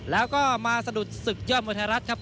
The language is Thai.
แล้วก็มาสะดุดศึกยอดมวยไทยรัฐครับ